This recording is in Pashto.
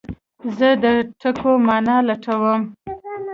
زه د ټکو مانا لټوم.